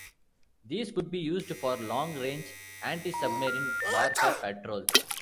These could be used for long-range antisubmarine warfare patrols.